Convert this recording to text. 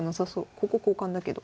ここ交換だけど。